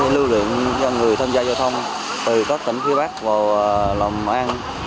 lưu lượng cho người tham gia giao thông từ các tỉnh phía bắc vào lòng an